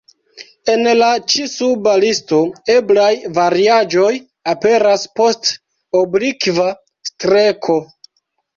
En la ĉi-suba listo eblaj variaĵoj aperas post oblikva streko.